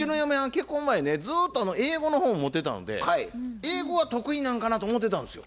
結婚前ねずっと英語の本を持ってたので英語は得意なんかなと思うてたんですよ。